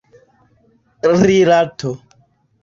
rilato